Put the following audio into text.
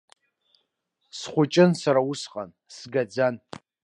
Схәыҷын сара усҟан, сгаӡан.